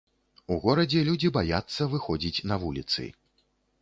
У горадзе людзі баяцца выходзіць на вуліцы.